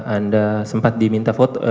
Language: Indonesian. anda sempat diminta foto